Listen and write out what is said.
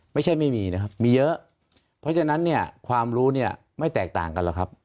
ไม่มีนะครับมีเยอะเพราะฉะนั้นเนี่ยความรู้เนี่ยไม่แตกต่างกันหรอกครับ